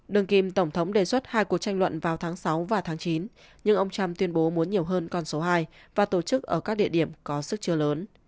đường kim tổng thống đề xuất hai cuộc tranh luận vào tháng sáu và tháng chín nhưng ông trump tuyên bố muốn nhiều hơn con số hai và tổ chức ở các địa điểm có sức chứa lớn